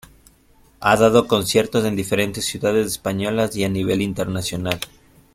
Ha dado conciertos en diferentes ciudades españolas y a nivel internacional.